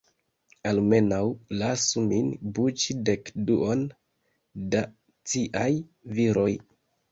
Almenaŭ, lasu min buĉi dek-duon da ciaj viroj!